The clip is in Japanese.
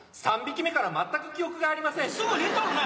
３匹目からまったく記憶がありません」。